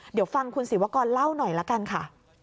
เดี๋ยวฟังคุณศิวกรเล่าหน่อยละกันค่ะ